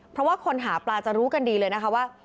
เพราะว่าคนหาปลาจะรู้กันดีเลยนะคะว่า